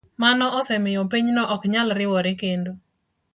Mano osemiyo pinyno ok nyal riwore kendo.